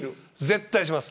絶対します。